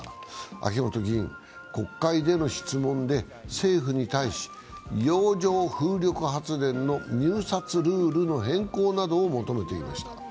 秋本議員、国会での質問で政府に対し洋上風力発電の入札ルールの変更などを求めていました。